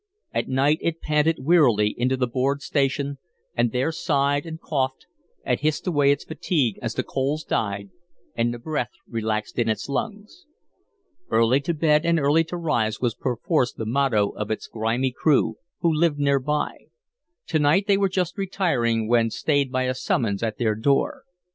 At night it panted wearily into the board station and there sighed and coughed and hissed away its fatigue as the coals died and the breath relaxed in its lungs. Early to bed and early to rise was perforce the motto of its grimy crew, who lived near by. To night they were just retiring when stayed by a summons at their door.